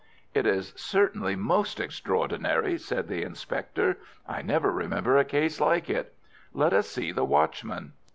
"It is certainly most extraordinary," said the inspector. "I never remember a case like it. Let us see the watchman."